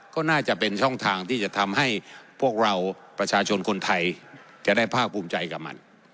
ก็น่าจะเป็นช่องทางที่จะทำให้พวกเราประชาชนคนไทยจะได้ภาคภูมิใจกับมัน